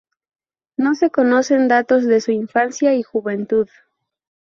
No se conocen datos de su infancia y juventud.